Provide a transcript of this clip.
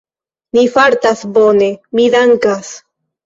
Mi fartas bone, mi dankas.